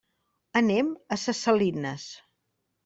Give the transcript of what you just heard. Anem a ses Salines.